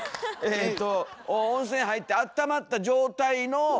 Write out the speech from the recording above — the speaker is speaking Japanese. えと温泉入ってあったまった状態の。